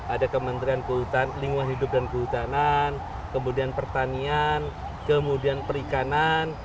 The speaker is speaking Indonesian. ada kementerian lingkungan hidup dan kehutanan kemudian pertanian kemudian perikanan